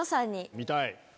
見たい！